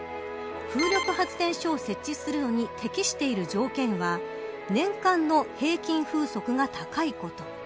風力発電所を設置するのに適している条件は年間の平均風速が高いこと。